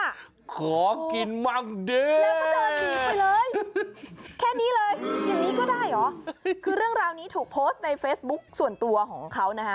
แล้วก็เดินไปเลยแค่นี้เลยอย่างนี้ก็ได้หรือคือเรื่องราวนี้ถูกโพสต์ในเฟซบุ๊กส่วนตัวของเขานะฮะ